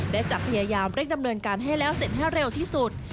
และจะพยายามเร่งดำเนินการให้แล้วเสร็จให้เร็วที่สุด